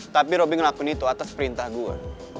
tapi roby ngelakuin itu atas perintah gue